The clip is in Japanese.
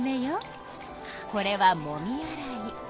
これはもみ洗い。